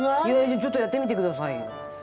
ちょっとやってみて下さいよ。